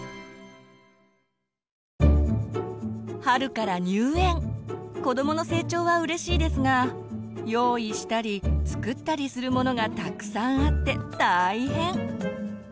春から入園子どもの成長はうれしいですが用意したり作ったりするものがたくさんあって大変。